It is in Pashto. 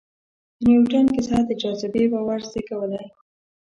د نیوټن کیسه د جاذبې باور زېږولی.